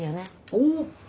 おっ！